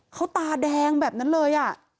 เขาตาแดงแบบนั้นเลย